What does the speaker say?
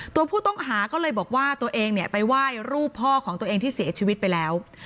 ตัวผู้ต้องหาก็เลยบอกว่าตัวเองเนี่ยไปไหว้รูปพ่อของตัวเองที่เสียชีวิตไปแล้ว